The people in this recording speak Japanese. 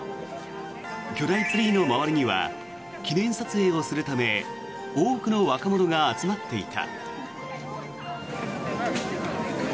巨大ツリーの周りには記念撮影をするため多くの若者が集まっていた。